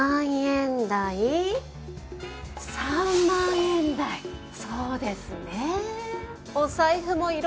３万円台そうですね。